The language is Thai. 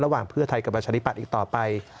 ระหว่างเพื่อไทยกับประชาธิปัตย์อีกต่อไป